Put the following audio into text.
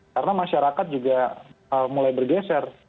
karena masyarakat juga mulai bergeser